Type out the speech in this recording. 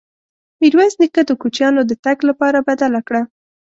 ميرويس نيکه د کوچيانو د تګ لاره بدله کړه.